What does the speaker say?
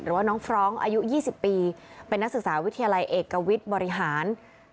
ว่าน้องฟรองก์อายุ๒๐ปีเป็นนักศึกษาวิทยาลัยเอกวิทย์บริหาร